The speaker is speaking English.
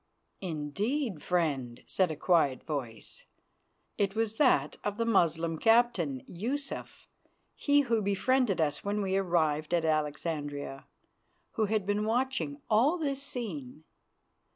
"Indeed, friend," said a quiet voice. It was that of the Moslem captain, Yusuf, he who befriended us when we arrived at Alexandria, who had been watching all this scene.